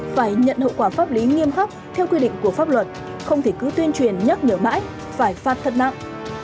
phải nhận hậu quả pháp lý nghiêm khắc theo quy định của pháp luật không thể cứ tuyên truyền nhắc nhở mãi phải phạt thật nặng